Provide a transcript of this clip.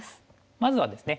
まずはですね